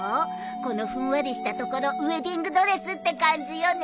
このふんわりしたところウエディングドレスって感じよね。